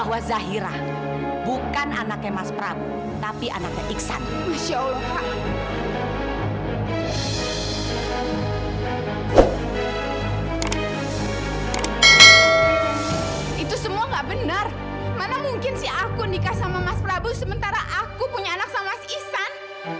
hei zaira mama lena ini kalau ngomong gak sembarangan